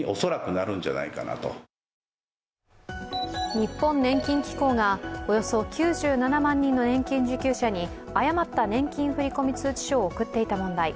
日本年金機構がおよそ９７万人の年金受給者に誤った年金振込通知書を送っていた問題。